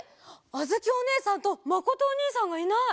あづきおねえさんとまことおにいさんがいない！